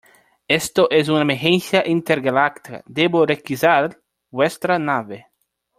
Esto es una emergencia intergaláctica . Debo requisar vuestra nave .